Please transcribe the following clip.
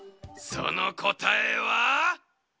そのこたえは。